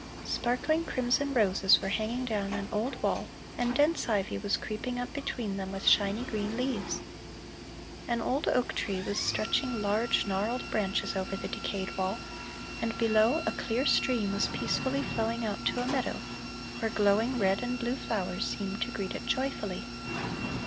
Sparkling crimson roses were hanging down an old wall and dense ivy was creeping up between them with shiny green leaves. An old oak tree was stretching large gnarled branches over the decayed wall, and below, a clear stream was peacefully flowing out to a meadow, where glowing red and blue flowers seemed to greet it joyfully.